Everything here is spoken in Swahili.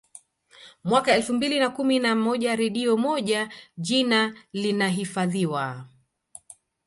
Mwaka elfu mbili na kumi na moja redio moja jina linahifadhiwa